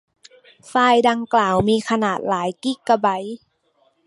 ไฟล์ดังกล่าวมีขนาดหลายกิกะไบต์